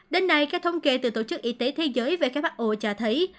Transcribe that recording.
đến nay các thông kê từ tổ chức y tế thế giới về khái mắt ồ trà thấy